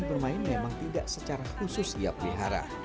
ulat bulu teman eli bermain memang tidak secara khusus siap melihara